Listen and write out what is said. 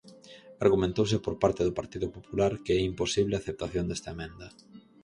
Argumentouse por parte do Partido Popular que é imposible a aceptación desta emenda.